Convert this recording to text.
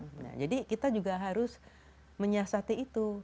nah jadi kita juga harus menyiasati itu